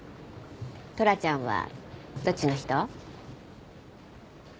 トラちゃんはどっちの人？